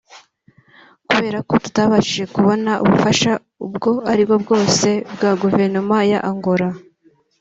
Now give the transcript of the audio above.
Kubera ko tutabashije kubona ubufasha ubwo aribwo bwose bwa guverinoma ya Angola